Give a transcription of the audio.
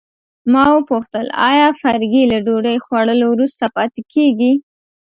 ما وپوښتل آیا فرګي له ډوډۍ خوړلو وروسته پاتې کیږي.